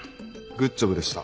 グッジョブでした！